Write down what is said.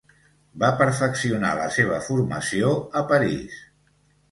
Va perfeccionar la seva formació a París.